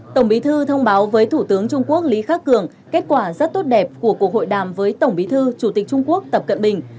tổng bí thư thông báo với thủ tướng trung quốc lý khắc cường kết quả rất tốt đẹp của cuộc hội đàm với tổng bí thư chủ tịch trung quốc tập cận bình